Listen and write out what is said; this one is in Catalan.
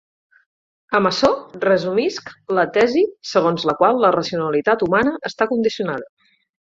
Amb açò resumisc la tesi segons la qual la racionalitat humana està condicionada.